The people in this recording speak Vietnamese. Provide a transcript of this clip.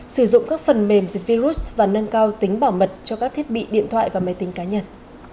sử dụng các phần mềm dịch virus và nâng cao tính bảo mật cho các thiết bị điện thoại và máy tính cá nhân